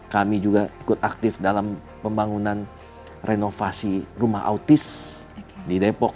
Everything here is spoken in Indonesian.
kami juga ikut aktif dalam pembangunan renovasi rumah autis di depok